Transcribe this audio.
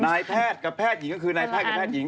นายแพทย์กับแพทย์หญิงก็คือนายแพทย์กับแพทย์หญิง